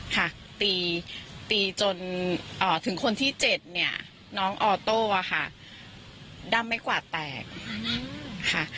ค่ะตีตีจนถึงคนที่๗เนี่ยน้องออโต้อะค่ะด้ำไม่กวาดแตกค่ะ